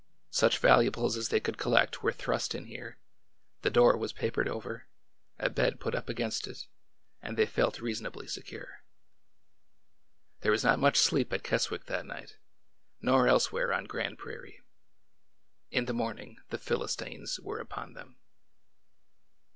Such valuables as they could collect were thrust in here, the door was papered over, a bed put up against it, and they felt reasonably secure. There was not much sleep at Keswick that night, nor elsewhere on Grand Prairie. In the morning the Philis tines were upon them.